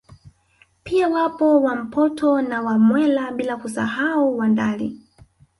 Pia wapo Wampoto na Wamwera bila kusahau Wandali